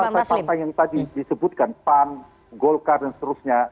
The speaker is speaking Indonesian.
partai partai yang tadi disebutkan pan golkar dan seterusnya